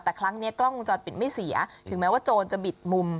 แต่ครั้งนี้กล้องวงจรปิดไม่เสียถึงแม้ว่าโจรจะบิดมุม